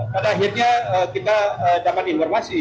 pada akhirnya kita dapat informasi